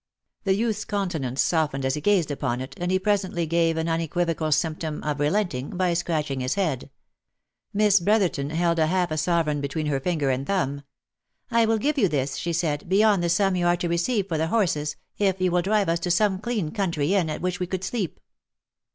The youth's countenance softened as he gazed upon it, and he presently gave an unequivocal symptom of relenting, by scratching his head. Miss Bro therton held half a sovereign between her finger and thumb —" I will give you^this, she said, beyond the sum you are to receive for the horses ,'if you will drive us on to some clean country inn at which we could sleep."